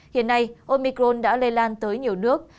hiện nay omicron đã lây lan tới nhiều nước